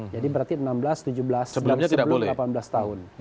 jadi berarti enam belas tujuh belas sebelum delapan belas tahun